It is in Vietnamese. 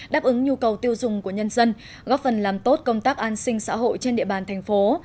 đáp ứng nhu cầu tiêu dùng của nhân dân góp phần làm tốt công tác an sinh xã hội trên địa bàn thành phố